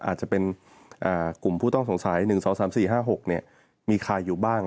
อาจจะเป็นกลุ่มผู้ต้องสงสัย๑๒๓๔๕๖มีใครอยู่บ้าง